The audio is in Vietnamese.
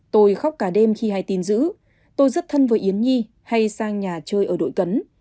tôi khóc cả đêm khi hay tin giữ tôi rất thân với yến nhi hay sang nhà chơi ở đội cấn